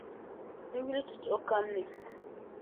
N yuli tutuɣu kam ni.